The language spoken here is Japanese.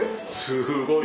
すごい。